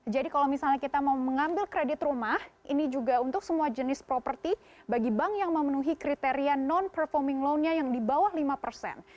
jadi kalau misalnya kita mau mengambil kredit rumah ini juga untuk semua jenis property bagi bank yang memenuhi kriteria non performing loan yang di bawah lima persen